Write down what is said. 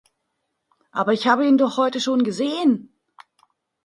Aber ich habe ihn doch heute schon gesehen!